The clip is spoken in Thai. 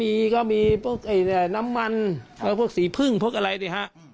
อะก็มีน้ำมันและสีผึ้งพวกอันเลยฮะ